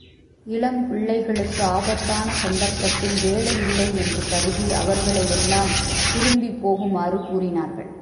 இளம் பிள்ளைகளுக்கு, ஆபத்தான சந்தர்ப்பத்தில் வேலை இல்லை என்று கருதி, அவர்களை எல்லாம் திரும்பிப் போகுமாறு கூறினார்கள்.